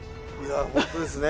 本当ですね。